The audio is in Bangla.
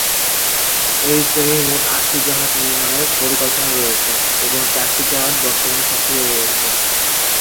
এই শ্রেণির মোট আটটি জাহাজ নির্মাণের পরিকল্পনা রয়েছে এবং চারটি জাহাজ বর্তমানে সক্রিয় রয়েছে।